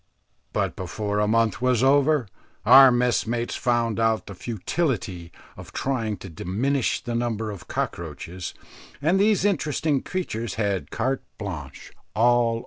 But before a month was over, our messmates found out the futility, of trying to diminish the number of cockroaches, and these interesting creatures had carte blanche all over the ship.